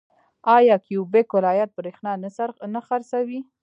آیا کیوبیک ولایت بریښنا نه خرڅوي؟